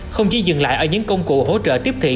không chỉ dừng lại ở những công cụ hỗ trợ tiếp thị